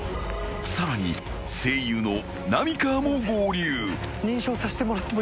［さらに声優の浪川も合流］